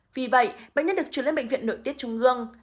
vì vậy bệnh nhân được chuyển lên bệnh viện nội tiết trung ương